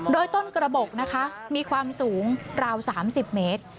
โดยต้นกระบบนะคะมีความสูงราว๓๐เมตร